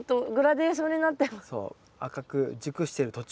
赤く熟してる途中。